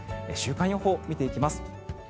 週間予報を見ていきます。